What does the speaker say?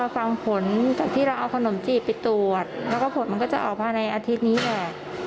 ฟังผลจากที่เราเอาขนมจีบไปตรวจแล้วก็ผลมันก็จะออกมาในอาทิตย์นี้แหละ